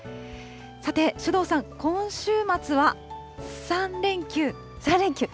さて、首藤さん、今週末は３連休。